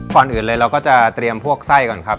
ก่อนอื่นเลยเราก็จะเตรียมพวกไส้ก่อนครับ